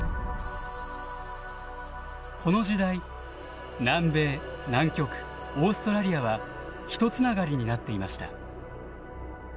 この時代南米南極オーストラリアは一繋がりになっていました。